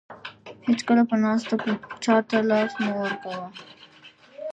هیڅکله په ناسته چاته لاس مه ورکوه.